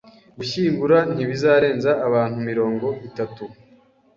Gushyingura ntibizarenza abantu mirongo itatu